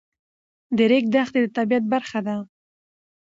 د ریګ دښتې د طبیعت برخه ده.